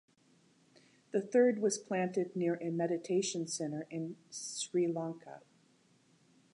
The third was planted near a meditation center in Sri Lanka.